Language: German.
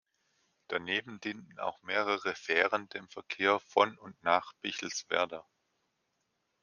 Daneben dienten auch mehrere Fähren dem Verkehr von und nach Pichelswerder.